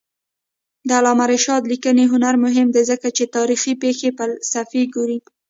د علامه رشاد لیکنی هنر مهم دی ځکه چې تاریخي پېښې فلسفي ګوري.